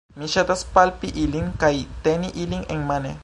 Mi ŝatas palpi ilin kaj teni ilin enmane